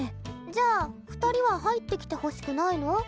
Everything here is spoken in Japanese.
「じゃあ２人は入ってきてほしくないの？